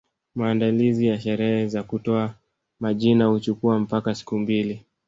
Maandalizi ya sherehe za kutoa majina huchukua mpaka siku mbili